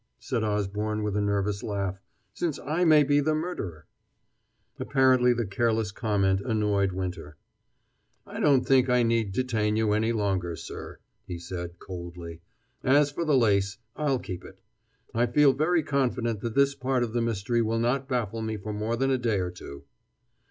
said Osborne with a nervous laugh, "since I may be the murderer." Apparently the careless comment annoyed Winter. "I don't think I need detain you any longer, sir," he said coldly. "As for the lace, I'll keep it. I feel very confident that this part of the mystery will not baffle me for more than a day or two."